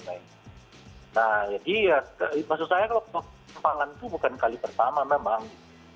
maksud saya kalau keserampangan itu bukan kali pertama memang